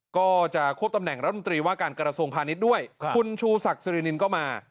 ก็จะควบตำแหน่งรัฐมนตรีว่าการกระทรวงพาณิชย์ด้วยคุณชูศักดิ์สิรินินก็มา